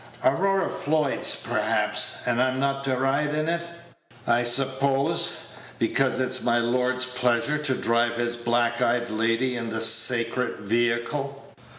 Aurora Floyd's, perhaps. And I'm not to ride in it, I suppose, because it's my lord's pleasure to drive his black eyed lady in the sacred vehicle.